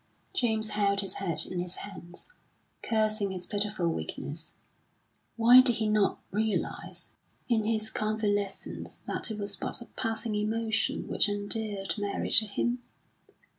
James held his head in his hands, cursing his pitiful weakness. Why did he not realise, in his convalescence, that it was but a passing emotion which endeared Mary to him?